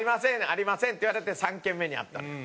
「ありません」って言われて３軒目にあったのよ。